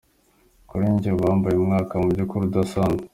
Kuri jye, uyu wabaye umwaka mu by'ukuri udasanzwe".